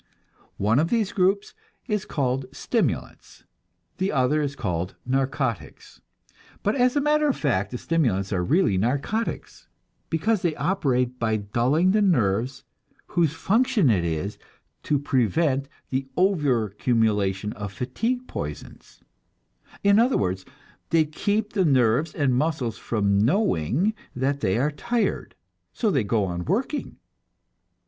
One of these groups is called stimulants, and the other is called narcotics; but as a matter of fact the stimulants are really narcotics, because they operate by dulling the nerves whose function it is to prevent the over accumulation of fatigue poisons; in other words, they keep the nerves and muscles from knowing that they are tired, and so they go on working.